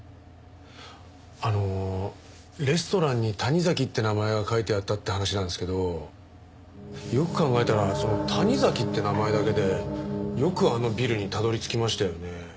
あのレストランに「タニザキ」って名前が書いてあったって話なんですけどよく考えたらその「タニザキ」って名前だけでよくあのビルにたどり着きましたよね。